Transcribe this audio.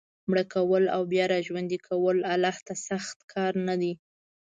مړه کول او بیا را ژوندي کول الله ته سخت کار نه دی.